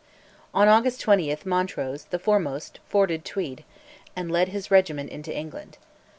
On August 20 Montrose, the foremost, forded Tweed, and led his regiment into England.